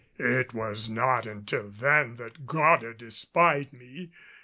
It was not until then that Goddard espied me.